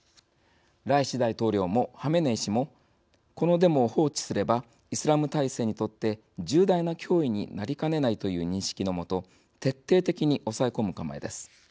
ライシ大統領も、ハメネイ師もこのデモを放置すればイスラム体制にとって重大な脅威になりかねないという認識の下徹底的に抑え込む構えです。